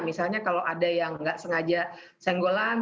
misalnya kalau ada yang nggak sengaja senggolan